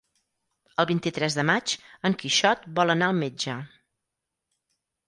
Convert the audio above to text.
El vint-i-tres de maig en Quixot vol anar al metge.